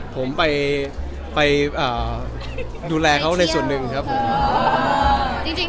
ผมไปดูแลเขาในส่วนหนึ่งครับผม